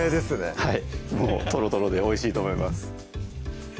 はいもうとろとろでおいしいと思います